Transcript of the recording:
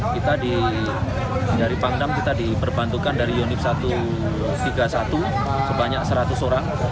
kita dari pangdam kita diperbantukan dari unit satu ratus tiga puluh satu sebanyak seratus orang